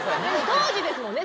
当時ですもんね？